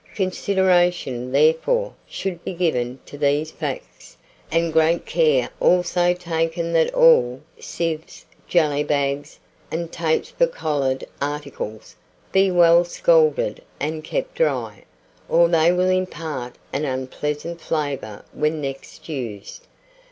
Consideration, therefore, should be given to these facts, and great care also taken that all sieves, jelly bags, and tapes for collared articles, be well scalded and kept dry, or they will impart an unpleasant flavour when next used.